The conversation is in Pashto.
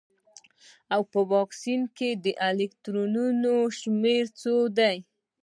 او په اکسیجن کې د الکترونونو شمیر څو دی